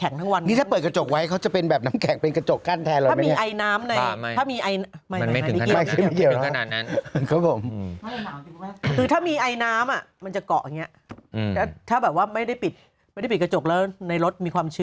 นี่เห็นไหมเนี่ยโอ้โฮรถ